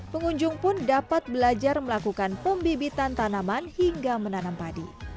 pengunjung pun dapat belajar melakukan pembibitan tanaman hingga menanam padi